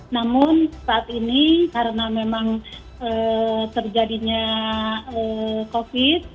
namun saat ini karena memang terjadinya covid